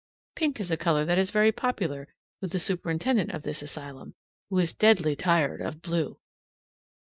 Pink is a color that is very popular with the superintendent of this asylum, who is deadly tired of blue!